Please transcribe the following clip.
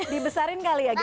dibesarin kali ya gem